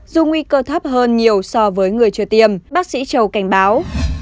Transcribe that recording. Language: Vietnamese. dù nguy cơ thấp hơn nhiều so với người chưa tiêm bác sĩ châu cảnh báo